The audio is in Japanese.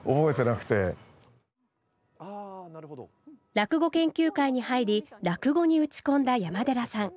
落語研究会に入り落語に打ち込んだ山寺さん。